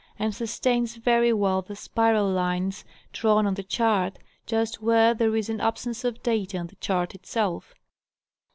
and sustains very well the spiral lines drawn on the chart, just where there is an absence of data on the chart itself.